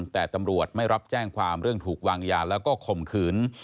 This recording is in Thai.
แต่ตำรวจไม่รับแจ้งความเรื่องถูกวางยาแล้วก็ข่มขืน